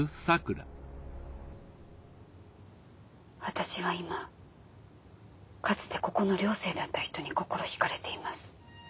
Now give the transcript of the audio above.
私は今かつてここの寮生だった人に心惹かれています。